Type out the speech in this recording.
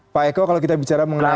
pak eko kalau kita bicara mengenai